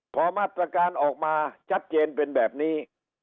พอมาตรการออกมาชัดเจนเป็นแบบนี้